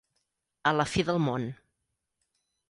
A la fi del món.